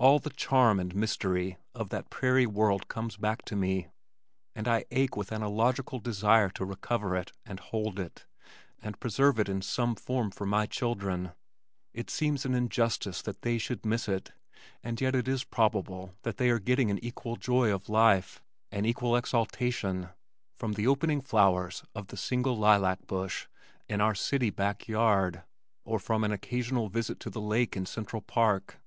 All the charm and mystery of that prairie world comes back to me, and I ache with an illogical desire to recover it and hold it, and preserve it in some form for my children. It seems an injustice that they should miss it, and yet it is probable that they are getting an equal joy of life, an equal exaltation from the opening flowers of the single lilac bush in our city back yard or from an occasional visit to the lake in Central Park.